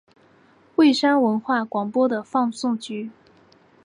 蔚山文化广播的放送局。